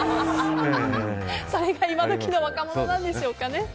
それが今時の若者なんでしょうかね。